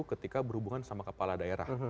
ketika berhubungan sama kepala daerah